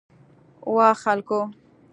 وا خلکو!